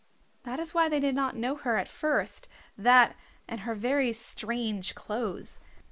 That is why they did not know her at first, that and her very strange clothes.